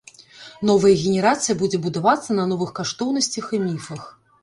Новая генерацыя будзе будавацца на новых каштоўнасцях і міфах.